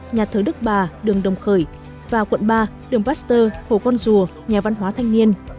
nhà thớ đức ba đường đồng khởi và quận ba đường baxter hồ con rùa nhà văn hóa thanh niên